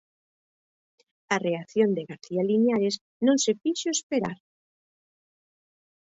A reacción de García Liñares non se fixo esperar.